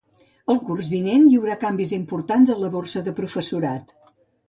El curs vinent hi haurà canvis importants a la borsa de professorat.